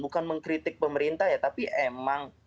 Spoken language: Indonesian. bukan mengkritik pemerintah ya tapi emang